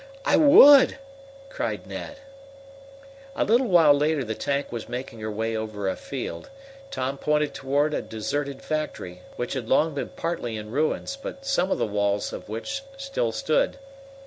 "I would!" cried Ned. A little later the tank was making her way over a field. Tom pointed toward a deserted factory, which had long been partly in ruins, but some of the walls of which still stood.